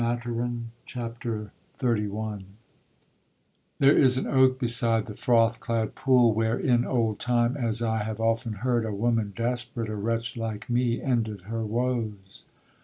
CHAPTER XXXI There is an oak beside the froth clad pool, Where in old time, as I have often heard, A woman desperate, a wretch like me, Ended her woes!